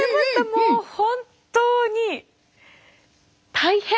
もう本当に大変。